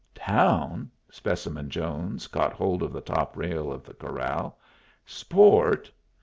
"Town?" Specimen Jones caught hold of the top rail of the corral. "_Sport?